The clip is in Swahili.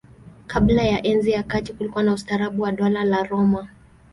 Kabla ya Enzi ya Kati kulikuwa na ustaarabu wa Dola la Roma.